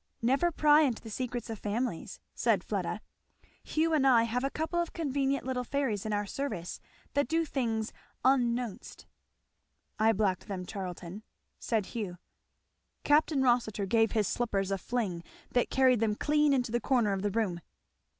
"Never pry into the secrets of families," said Fleda. "Hugh and I have a couple of convenient little fairies in our service that do things unknownst." "I blacked them, Charlton," said Hugh. Capt. Rossitur gave his slippers a fling that carried them clean into the corner of the room.